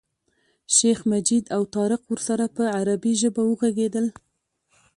شیخ مجید او طارق ورسره په عربي ژبه وغږېدل.